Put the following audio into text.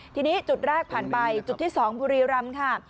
ทีนี้จุดแรกผ่านไปจุดที่๒บุรีรำค่ะ